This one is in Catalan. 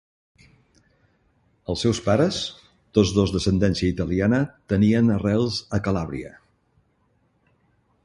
Els seus pares, tots dos d'ascendència italiana, tenien arrels a Calàbria.